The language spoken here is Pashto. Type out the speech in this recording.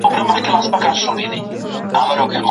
او په داخل او بهر کي یې ټول افغانان ویرجن کړل.